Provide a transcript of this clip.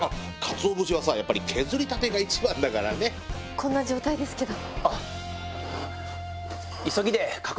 こんな状態ですけど。